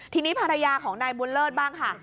ทีนี้ภรรยาของนายบุญเลิศบ้างค่ะ